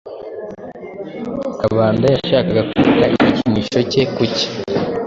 Kabanda yashakaga kwita igikinisho cye kuki.